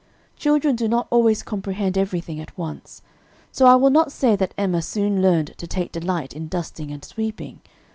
Children do not always comprehend everything at once; so I will not say that Emma soon learned to take delight in dusting and sweeping.